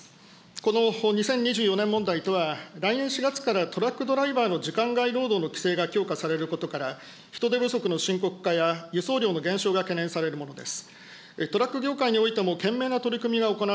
この２４年問題とは、来年４月からトラックドライバーの時間外労働の規制が強化されることから輸送料の減少が懸念されるものです。